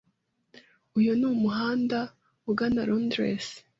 Uyu ni umuhanda ugana Londres.